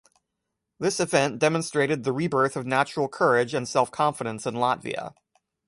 This event demonstrated the rebirth of national courage and self-confidence in Latvia.